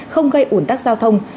không gây ủn tắc giao thông